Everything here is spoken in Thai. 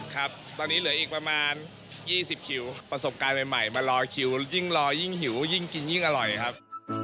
ครับตอนนี้เหลืออีกประมาณ๒๐คิวประสบการณ์ใหม่มารอคิวยิ่งรอยิ่งหิวยิ่งกินยิ่งอร่อยครับ